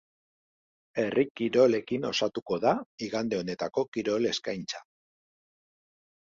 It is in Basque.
Herri kirolekin osatuko da igande honetako kirol eskaintza.